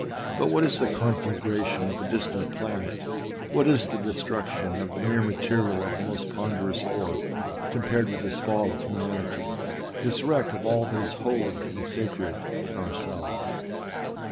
But what is the conflagration of a distant planet, what is the destruction of the mere material of the most ponderous orb, compared with this fall of humanity, this wreck of all that is holy and sacred in ourselves?